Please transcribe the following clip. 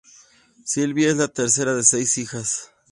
Sylvie es la tercera de seis hijos.